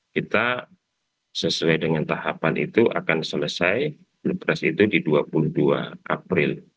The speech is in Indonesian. kita sesuai dengan tahapan itu akan selesai pilpres itu di dua puluh dua april